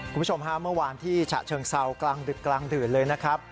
คุณผู้ชมฮะเมื่อวานที่ฉะเชิงเซากลางดึกกลางดื่นเลยนะครับ